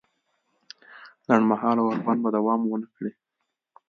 لنډ مهاله اوربند به دوام ونه کړي